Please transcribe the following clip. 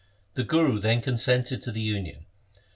The Guru then consented to the union.